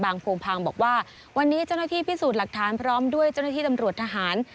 โพงพางบอกว่าวันนี้เจ้าหน้าที่พิสูจน์หลักฐานพร้อมด้วยเจ้าหน้าที่ตำรวจทหาร